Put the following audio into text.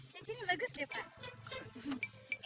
yang sini bagus deh pak